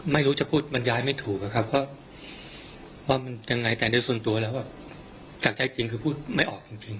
ไม่รู้จะพูดมันย้ายไม่ถูกอะครับเพราะว่ามันยังไงแต่โดยส่วนตัวแล้วแบบจากใจจริงคือพูดไม่ออกจริง